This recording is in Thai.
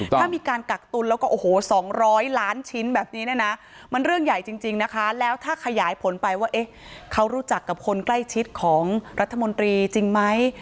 ถ้ามีการกักตุลแล้วก็โอ้โห๒๐๐ล้านชิ้นแบบนี้เนี่ยนะมันเรื่องใหญ่จริงนะคะแล้วถ้าขยายผลไปว่าเขารู้จักกับคนใกล้ชิดของรัฐมนตรีจริงไหม